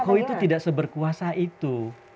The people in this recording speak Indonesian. pak jokowi itu tidak seberkuasa itu